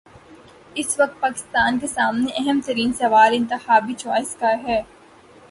اس وقت پاکستان کے سامنے اہم ترین سوال انتخابی چوائس کا ہے۔